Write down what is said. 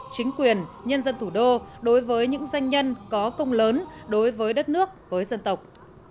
chính quyền nhân dân thủ đô đối với những doanh nhân có công lớn đối với đất nước với dân tộc